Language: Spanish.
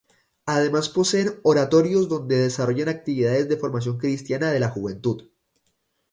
Además poseen oratorios donde desarrollan actividades de formación cristiana de la juventud.